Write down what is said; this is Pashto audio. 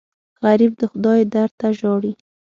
غریب د خدای در ته ژاړي